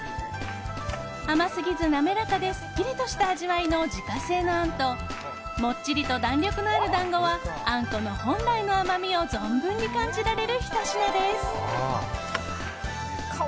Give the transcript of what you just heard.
甘すぎず、滑らかですっきりとした味わいの自家製のあんともっちりと弾力のある団子はあんこの本来の甘みを存分に感じられるひと品です。